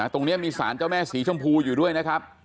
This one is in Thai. ตรงนี้มีสารเจ้าแม่สีชมพูอยู่ด้วยนะครับ